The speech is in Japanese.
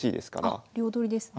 あ両取りですね。